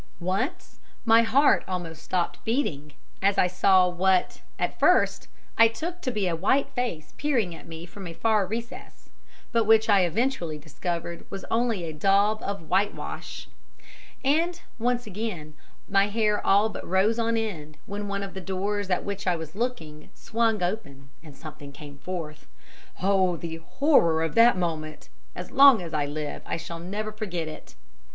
Once my heart almost stopped beating as I saw what, at first, I took to be a white face peering at me from a far recess, but which I eventually discovered was only a daub of whitewash; and, once again, my hair all but rose on end, when one of the doors at which I was looking swung open and something came forth. Oh, the horror of that moment, as long as I live I shall never forget it.